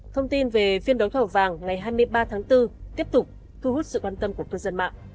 thông tin về phiên đấu thầu vàng ngày hai mươi ba tháng bốn tiếp tục thu hút sự quan tâm của cư dân mạng